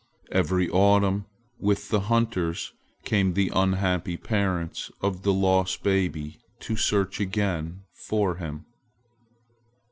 Every autumn with the hunters came the unhappy parents of the lost baby to search again for him.